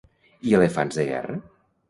I elefants de guerra?